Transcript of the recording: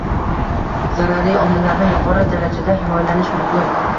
zararli omillardan yuqori darajada himoyalanish mumkin?